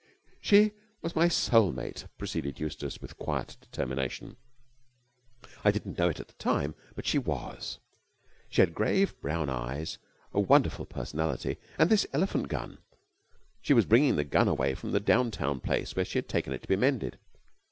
"She was my soul mate," proceeded Eustace with quiet determination. "I didn't know it at the time, but she was. She had grave brown eyes, a wonderful personality, and this elephant gun. She was bringing the gun away from the down town place where she had taken it to be mended."